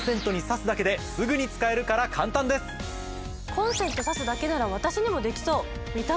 コンセント挿すだけなら私にもできそう。